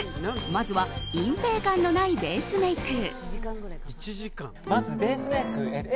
まずは隠蔽感のないベースメイク。